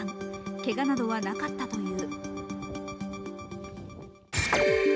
けがなどはなかったという。